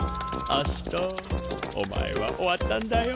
アシトお前は終わったんだよ。